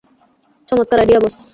চমৎকার আইডিয়া, বস!